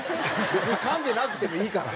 別にかんでなくてもいいから。